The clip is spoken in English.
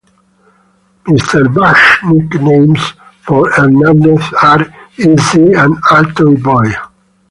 Mr. Bush's nicknames for Hernandez are Izzy and Altoid Boy.